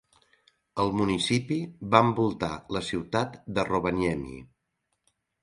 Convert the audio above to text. El municipi va envoltar la ciutat de Rovaniemi.